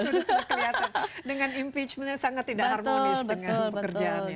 terus kelihatan dengan impeachmentnya sangat tidak harmonis dengan pekerjaannya